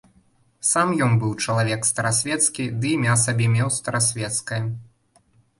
Сам ён быў чалавек старасвецкі, ды імя сабе меў старасвецкае.